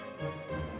gak seperti itu